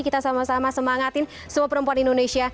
kita sama sama semangatin semua perempuan indonesia